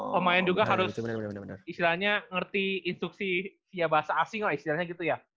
pemain juga harus istilahnya ngerti instruksi via bahasa asing lah istilahnya gitu ya